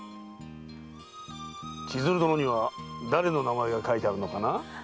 千鶴殿には誰の名前が書いてあるのかな？